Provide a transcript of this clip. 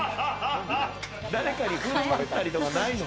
誰かにふるまったりとかないの？